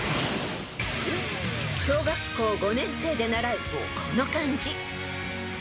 ［小学校５年生で習うこの漢字］